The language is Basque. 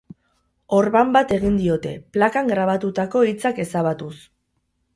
Orban bat egin diote, plakan grabatutako hitzak ezabatuz.